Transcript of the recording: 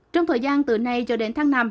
trong thời gian từ nay cho đến tháng năm